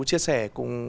chia sẻ cùng